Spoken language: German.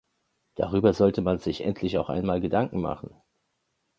Darüber sollte man sich endlich auch einmal Gedanken machen.